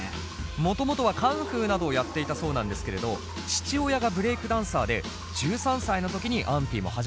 もともとはカンフーなどをやっていたそうなんですけれど父親がブレイクダンサーで１３歳の時にＡｎｔｉも始めたそうです。